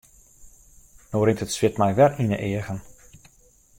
No rint it swit my wer yn 'e eagen.